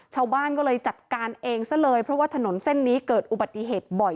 ชาวบ้านก็เลยจัดการเองซะเลยเพราะว่าถนนเส้นนี้เกิดอุบัติเหตุบ่อย